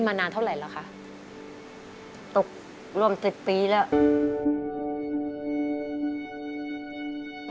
นานเท่าไหร่แล้วคะตกร่วมสิบปีแล้ว